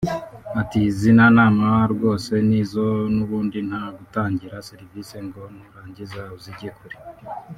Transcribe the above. Ati “ Izina nama rwose ni zo n’ubundi nta gutangira serivisi ngo nurangiza uzijye kure